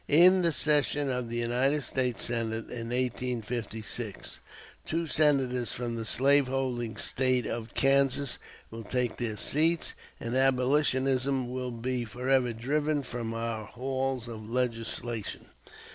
In the session of the United States Senate in 1856, two Senators from the slave holding State of Kansas will take their seats, and abolitionism will be forever driven from our halls of legislation."